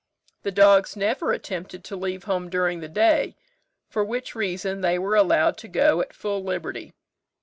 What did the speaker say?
The dogs never attempted to leave home during the day, for which reason they were allowed to go at full liberty.